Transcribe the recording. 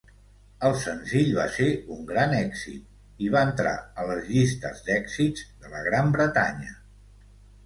El senzill va ser un gran èxit i va entrar a les llistes d'èxits de la Gran Bretanya.